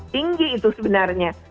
tinggi itu sebenarnya